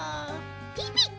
ピピッ！